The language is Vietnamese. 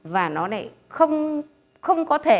và nó này không có thể